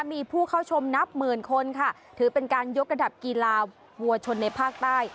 มีผู้เข้าชมนับหมื่นคนค่ะถือเป็นการยกระดับกีฬาวัวชนในภาคใต้